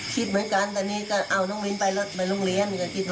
คิดเหมือนกันแต่นี่ก็เอาน้องวินไปลงเรียน